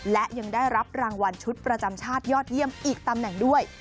และยังได้รับรางวัลชุดประจำชาติยอดเยี่ยมอีกตำแหน่งด้วย